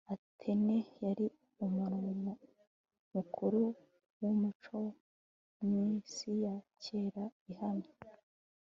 atene yari umurwa mukuru w umuco mu isi ya kera i hamya